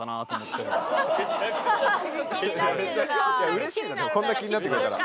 うれしいなでもこんな気になってくれたら。